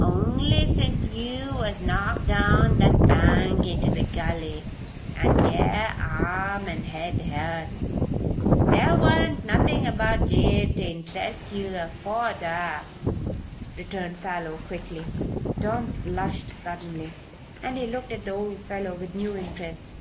"Only since yeou was knocked down that bank inter the gully, an' yer arm an' head hurt. There warn't nothin' about Jabe ter interest yeou afore that," returned Parloe, quickly. Tom flushed suddenly and he looked at the old fellow with new interest.